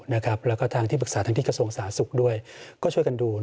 แล้วก็ทางที่ปรึกษาทางที่กระทรวงสาธารณสุขด้วยก็ช่วยกันดู